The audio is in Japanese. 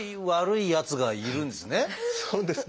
そうですね。